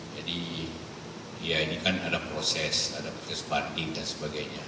jadi ya ini kan ada proses ada proses banding dan sebagainya